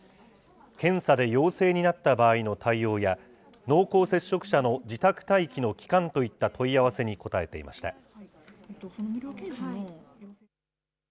検査で陽性になった場合の対応や、濃厚接触者の自宅待機の期間といった問い合わせに答えていました。